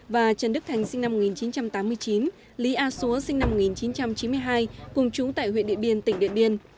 và trần đức thành sinh năm một nghìn chín trăm tám mươi chín lý a xúa sinh năm một nghìn chín trăm chín mươi hai cùng chúng tại huyện điện biên tỉnh điện biên